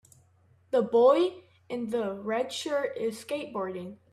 The boy in the red shirt is skateboarding